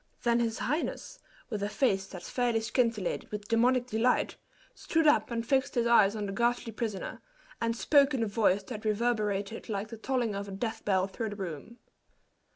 Then his highness, with a face that fairly scintillated with demoniac delight, stood up and fixed his eyes on the ghastly prisoner, and spoke in a voice that reverberated like the tolling of a death bell through the room.